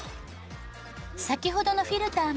先ほどのフィルターも。